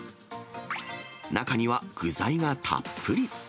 中には具材がたっぷり。